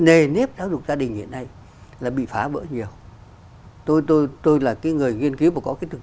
nề nếp giáo dục gia đình hiện nay là bị phá vỡ nhiều tôi là cái người nghiên cứu mà có cái thực